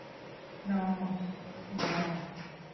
นอ ณอ